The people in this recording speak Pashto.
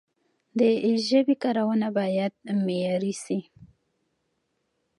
د ژبي کارونه باید معیاري سی.